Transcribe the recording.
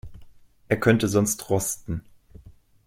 Er könnte sonst rosten.